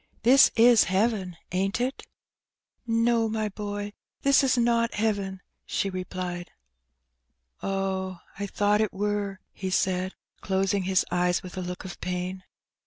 "This is heaven, aint it?'' No, my boy, this is not heaven," she replied. Oh, I thought it wur," he said, closing his eyes with a look of pain.